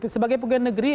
sebagai pegawai negeri